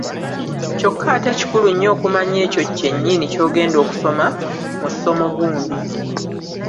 Kyokka ate kikulu nnyo okumanya ekyo kye nnyini ky’ogenda okusoma mu ssomo gundi.